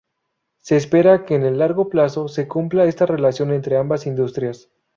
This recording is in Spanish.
Se espera que en el largo plazo se cumpla esta relación entre ambas industrias.